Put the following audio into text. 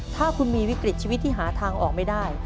ถ้าคุณมีวิกฤตชีวิตที่หาทางออกไม่ได้